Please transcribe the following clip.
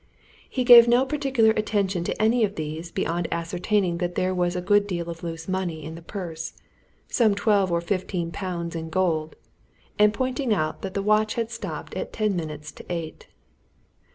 He gave no particular attention to any of these beyond ascertaining that there was a good deal of loose money in the purse some twelve or fifteen pounds in gold and pointing out that the watch had stopped at ten minutes to eight.